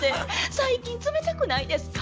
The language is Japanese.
最近冷たくないですか？